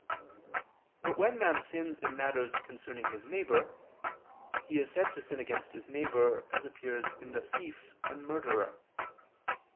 But when man sins in matters concerning his neighbor, he is said to sin against his neighbor, as appears in the thief and murderer.